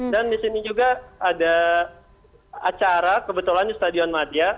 dan di sini juga ada acara kebetulan di stadion madia